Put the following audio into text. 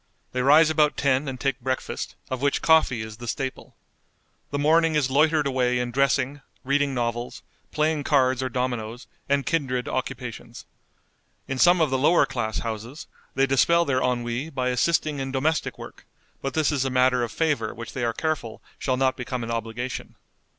They rise about ten and take breakfast, of which coffee is the staple. The morning is loitered away in dressing, reading novels, playing cards or dominoes, and kindred occupations. In some of the lower class houses they dispel their ennui by assisting in domestic work, but this is a matter of favor which they are careful shall not become an obligation.